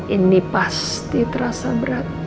ini pasti terasa berat